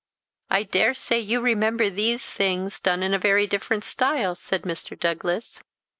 "I daresay you remember these, things done in a very different style?" said Mr. Douglas.